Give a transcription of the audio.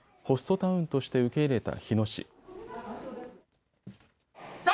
ホストタウンとして受け入れた日野市。